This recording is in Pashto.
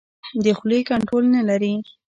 د خولې کنټرول نه لري.